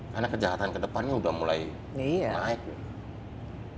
karena kejahatan kedepannya udah mulai naik